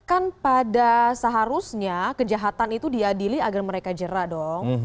kan pada seharusnya kejahatan itu diadili agar mereka jerah dong